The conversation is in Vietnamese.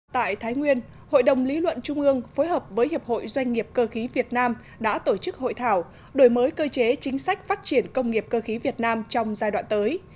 tại thái nguyên hội đồng lý luận trung ương phối hợp với hiệp hội doanh nghiệp cơ khí việt nam đã tổ chức hội thảo đổi mới cơ chế chính sách phát triển công nghiệp cơ khí việt nam trong giai đoạn tới